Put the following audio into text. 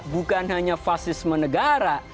bukan hanya fasisme negara